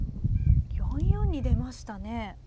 ４四に出ましたね。